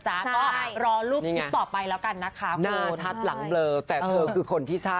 ใช่รอรูปต่อไปแล้วกันนะคะน่าชัดหลั่งเบลอแต่เธอคือคนที่ใช่